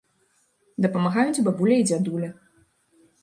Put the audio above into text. Дапамагаюць бабуля і дзядуля.